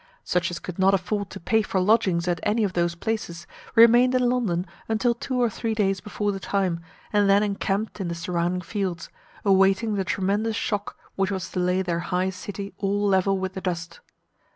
Such as could not afford to pay for lodgings at any of those places, remained in London until two or three days before the time, and then encamped in the surrounding fields, awaiting the tremendous shock which was to lay their high city all level with the dust.